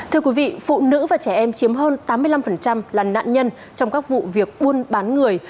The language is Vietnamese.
thưa quý vị phụ nữ và trẻ em chiếm hơn tám mươi năm là nạn nhân trong các vụ việc buôn bán người